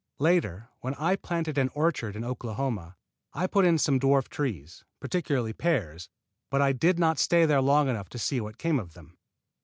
Later, when I planted an orchard in Oklahoma, I put in some dwarf trees, particularly pears, but I did not stay there long enough to see what came of them.